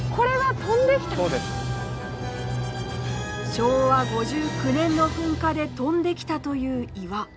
昭和５９年の噴火で飛んできたという岩。